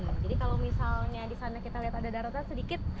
jadi kalau misalnya di sana kita lihat ada daratan sedikit